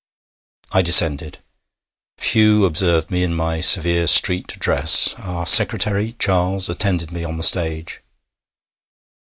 I descended. Few observed me in my severe street dress. Our secretary, Charles, attended me on the stage.